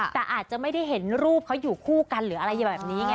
แต่อาจจะไม่ได้เห็นรูปเขาอยู่คู่กันหรืออะไรแบบนี้ไง